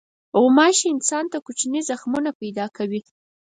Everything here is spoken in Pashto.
غوماشې انسان ته کوچني زخمونه پیدا کوي.